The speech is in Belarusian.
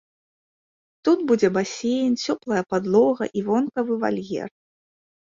Тут будзе басейн, цёплая падлога і вонкавы вальер.